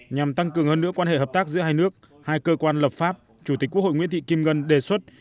nhằm tăng cường hơn nữa quan hệ hợp tác giữa hai nước hai cơ quan lập pháp chủ tịch quốc hội nguyễn thị kim ngân đề xuất